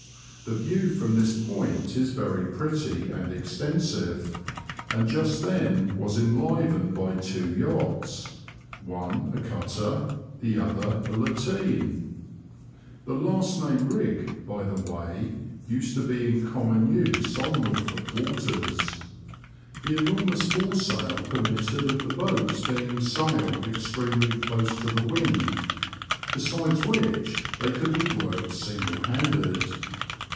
The view from this point is very pretty and extensive, and just then was enlivened by two yachts, one a cutter, the other a lateen. The last named rig, by the way, used to be in common use on K Digitized by VjOOQIC Ito BBOADS AMD BIVEBS OF NOBFOLK AND SUFFOLK. Norfolk waters ; the enormous foresail permitted of the boats being sailed extremely close to the wind, besides which they could be worked single handed.